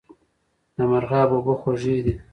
د مرغاب اوبه خوږې دي